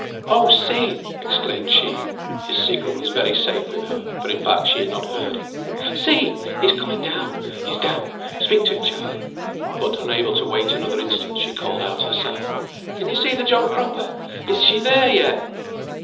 "Oh, see!" exclaimed she (his secret was very safe with her, for, in fact, she had not heard it). "See! he's coming down; he's down. Speak to him, Charley." But unable to wait another instant she called out herself, "Can you see the John Cropper? Is she there yet?"